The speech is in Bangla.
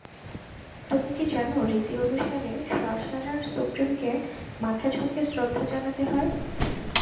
তুমি কি জানো রীতি অনুসারে সর্সারার সুপ্রিমকে মাথা ঝুঁকে শ্রদ্ধা জানাতে হয়?